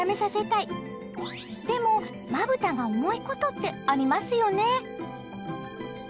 でもまぶたが重いことってありますよね。